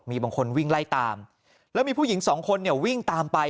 มีบางคนวิ่งไล่ตามแล้วมีผู้หญิงสองคนเนี่ยวิ่งตามไป